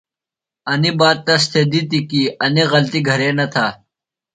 انی بات تس تھےۡ دِتی کی انیۡ غلطی گہرےۡ نہ تھہ۔